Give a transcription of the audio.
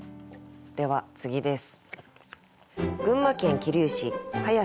では次です。